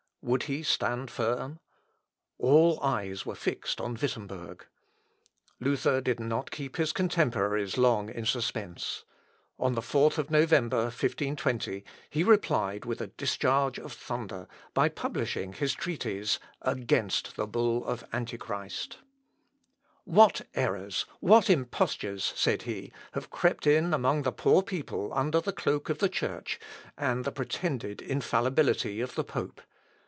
Would he stand firm? All eyes were fixed on Wittemberg. Luther did not keep his contemporaries long in suspense. On the 4th of November, 1520, he replied with a discharge of thunder, by publishing his treatise 'Against the Bull of Antichrist.' "What errors, what impostures," said he, "have crept in among the poor people under the cloak of the Church, and the pretended infallibility of the pope!